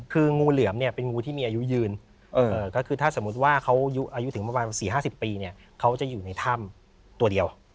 คืองูเหลือมเนี่ยเป็นงูที่มีอายุยืนก็คือถ้าสมมุติว่าเขาอายุถึงประมาณ๔๕๐ปีเนี่ยเขาจะอยู่ในถ้ำตัวเดียว